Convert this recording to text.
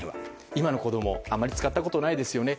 今の子供はあまり使ったことがないですよね。